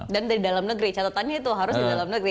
dan di dalam negeri catatannya itu harus di dalam negeri